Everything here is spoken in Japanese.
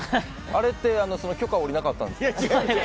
あれって許可が下りなかったんですか。